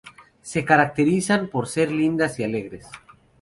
Se caracterizan por ser lindas y alegres.